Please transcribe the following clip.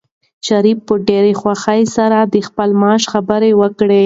شریف په ډېرې خوښۍ سره د خپل معاش خبر ورکړ.